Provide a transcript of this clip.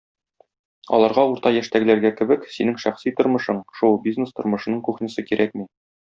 Аларга урта яшьтәгеләргә кебек, синең шәхси тормышың, шоу-бизнес тормышының кухнясы кирәкми.